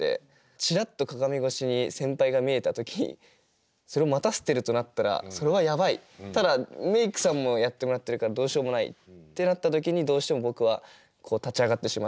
チラッと鏡越しに先輩が見えた時それを待たせてるとなったらそれはやばいただメイクさんもやってもらってるからどうしようもないってなった時にどうしても僕は立ち上がってしまう。